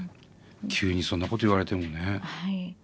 急にそんなこと言われてもね。